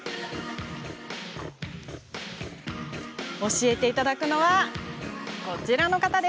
教えていただくのは、この方。